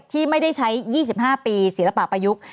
ที่ไม่ได้ใช้๒๕ปีศิลปะประยุกต์